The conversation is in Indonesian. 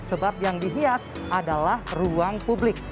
sebab yang dihias adalah ruang publik